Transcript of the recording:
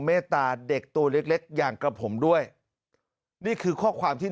เมตตาเด็กตัวเล็กเล็กอย่างกับผมด้วยนี่คือข้อความที่